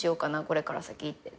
これから先って。